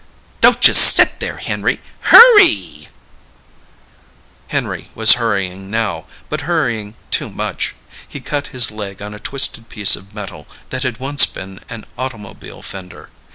Don't just sit there, Henry, hurrreeee!" Henry was hurrying now, but hurrying too much. He cut his leg on a twisted piece of metal that had once been an automobile fender.